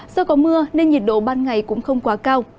do có mưa nên nhiệt độ ban ngày cũng không quá cao